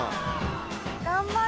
頑張れ。